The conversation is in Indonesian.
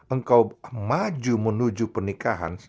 engkau maju menuju pernikahan